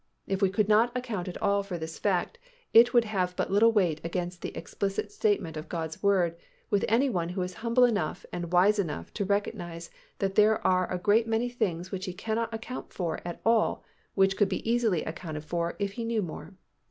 If we could not account at all for this fact, it would have but little weight against the explicit statement of God's Word with any one who is humble enough and wise enough to recognize that there are a great many things which he cannot account for at all which could be easily accounted for if he knew more.